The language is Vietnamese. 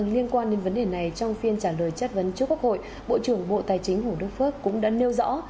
liên quan đến vấn đề này trong phiên trả lời chất vấn trước quốc hội bộ trưởng bộ tài chính hồ đức phước cũng đã nêu rõ